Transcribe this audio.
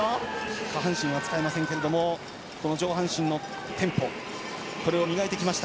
下半身は使えませんが上半身のテンポを磨いてきました。